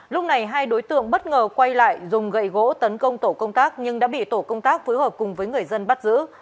lúc này hai đối tượng bất ngờ quay lại dùng gậy gỗ tấn công tổ công tác nhưng đã bị tổ công tác phối hợp cùng với người dân bắt giữ